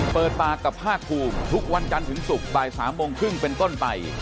เปิดปากกับภาคภูมิทุกวันจันทร์ถึงศุกร์บ่าย๓โมงครึ่งเป็นต้นไป